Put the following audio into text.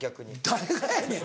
誰がやねん！